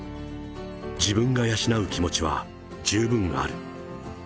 自分が養う気持ちは十分ある。